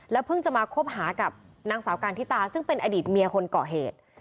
เพิ่งจะมาคบหากับนางสาวการทิตาซึ่งเป็นอดีตเมียคนก่อเหตุ